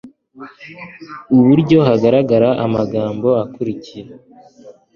iburyo hagaragara amagambo akurikira